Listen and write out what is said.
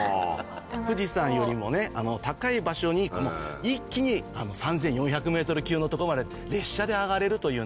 富士山よりも高い場所に一気に３４００ｍ級の所まで列車で上がれるというのが。